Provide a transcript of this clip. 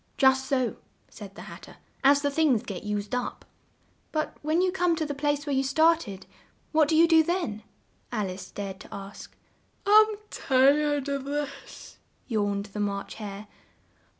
"Just so," said the Hat ter; "as the things get used up." "But when you come to the place where you started, what do you do then?" Al ice dared to ask. "I'm tired of this," yawned the March Hare.